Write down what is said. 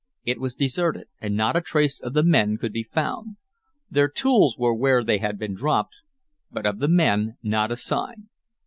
It was deserted, and not a trace of the men could be found. Their tools were where they had been dropped, but of the men not a sign.